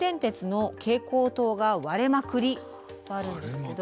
とあるんですけど。